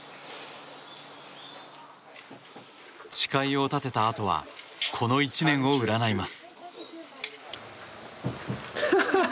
誓いを立てたあとはこの１年を占います。